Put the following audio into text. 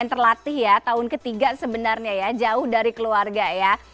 yang terlatih ya tahun ketiga sebenarnya ya jauh dari keluarga ya